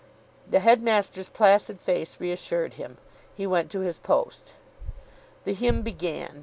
The headmaster's placid face reassured him. He went to his post. The hymn began.